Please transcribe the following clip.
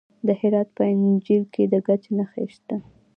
د هرات په انجیل کې د ګچ نښې شته.